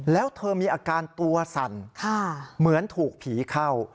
แล้วเธอมีอาการตัวสั่นเหมือนถูกผีเข้า